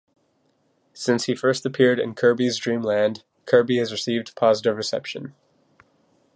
Since he first appeared in "Kirby's Dream Land", Kirby has received positive reception.